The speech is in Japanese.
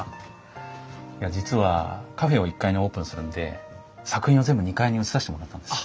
実はカフェを１階にオープンするんで作品を全部２階に移させてもらったんですよ。